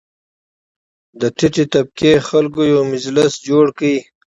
ټیټې طبقې خلک یو مجلس جوړ کړ.